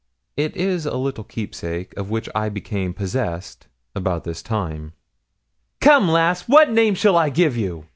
It is a little keepsake, of which I became possessed about this time. 'Come, lass, what name shall I give you?'